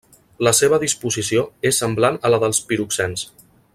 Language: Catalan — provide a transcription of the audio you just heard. La seva disposició és semblant a la dels piroxens.